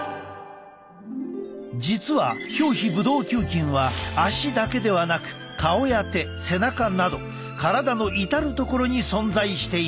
実は表皮ブドウ球菌は足だけではなく顔や手背中など体のいたる所に存在している。